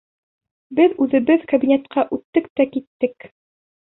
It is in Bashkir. Беҙ үҙебеҙ кабинетҡа үттек тә киттек!